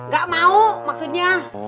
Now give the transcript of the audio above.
gak mau maksudnya